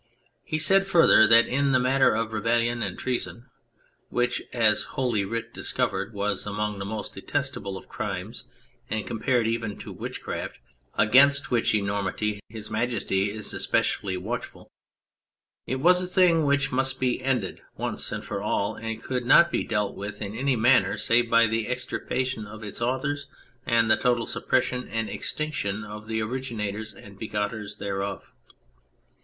He said further, that in the matter of rebellion and treason (which, as Holy Writ discovered, was among the most detestable of crimes, and compared even to witch craft, against which enormity His Majesty is espe cially watchful) it was a thing which must be ended once and for all, and could not be dealt with in any manner save by the extirpation of its authors and the total suppression and extinction of the originators and begettors thereof.